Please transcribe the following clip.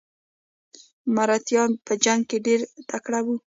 مراتیان په جنګ کې ډیر تکړه وو.